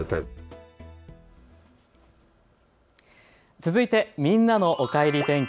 続いてみんなのおかえり天気。